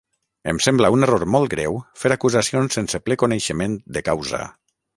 Em sembla un error molt greu fer acusacions sense ple coneixement de causa.